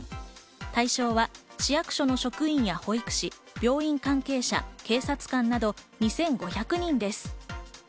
対象は市役所の職員や保育士、病院関係者、警察官など２５００人です。